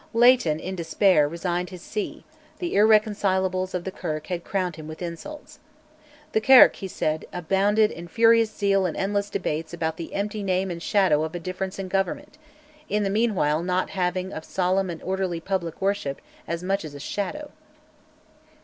Leighton, in despair, resigned his see: the irreconcilables of the Kirk had crowned him with insults. The Kirk, he said, "abounded in furious zeal and endless debates about the empty name and shadow of a difference in government, in the meanwhile not having of solemn and orderly public worship as much as a shadow."